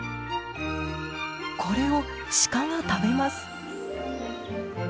これをシカが食べます。